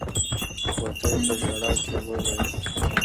غوټۍ په ژړا کې وويل.